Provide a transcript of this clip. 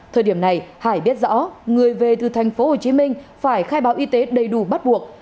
thời điểm này hải biết rõ người về từ thành phố hồ chí minh phải khai báo y tế đầy đủ bắt buộc